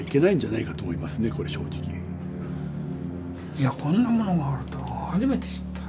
いやこんなものがあるとは初めて知った。